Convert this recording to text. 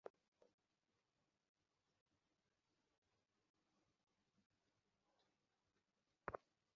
হেই, Max, মা এইমাত্র এসে উপস্থিত হলেন।